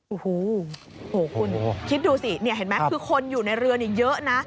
โอ้โหคุณคิดดูสิเนี่ยเห็นไหมคือคนอยู่ในเรือนี่เยอะนะ